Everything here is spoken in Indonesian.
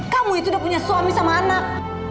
kamu itu udah punya suami sama anak